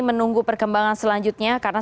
menunggu perkembangan selanjutnya karena